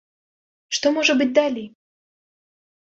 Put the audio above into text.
Што можа быць далей?